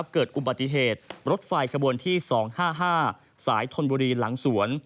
เกิดอุบัติเหตุรถไฟขบวนที่๒๕๕สายธนบุรีหลังสวน